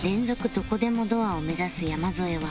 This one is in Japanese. どこでもドアを目指す山添は